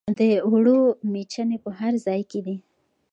د اوړو میچنې په هر ځای کې دي.